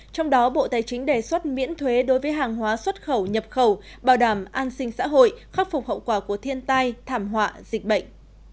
trong đó bộ tài chính đề xuất miễn thuế đối với hàng hóa xuất khẩu nhập khẩu bảo đảm an sinh xã hội khắc phục hậu quả của thiên tai thảm họa dịch bệnh